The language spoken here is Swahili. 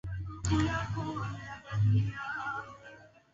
huwa mara moja pekee lakini mwaka huu ni kama wamevuka mara mbili